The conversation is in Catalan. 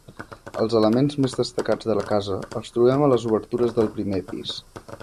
Els elements més destacats de la casa els trobem a les obertures del primer pis.